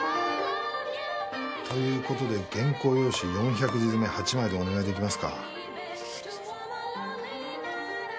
ということで原稿用紙４００字詰め８枚でお願いできますか？